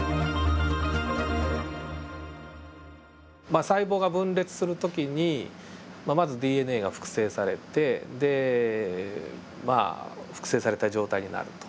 まあ細胞が分裂する時にまずＤＮＡが複製されてでまあ複製された状態になると。